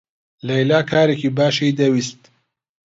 لەیلا کارێکی باشی دەویست.